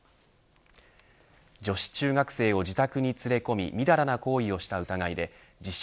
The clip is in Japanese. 女子中学生を自宅に連れ込みみだらな行為をした疑いで自称